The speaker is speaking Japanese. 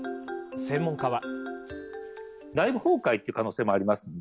専門家は。